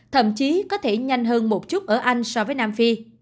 thậm chí có thể nhanh hơn một chút ở anh so với nam phi